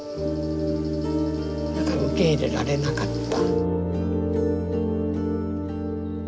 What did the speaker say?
だから受け入れられなかった。